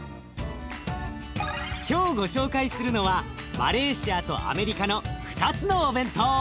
今日ご紹介するのはマレーシアとアメリカの２つのお弁当。